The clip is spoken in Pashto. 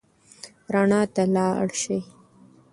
رڼا ته لاړ شئ.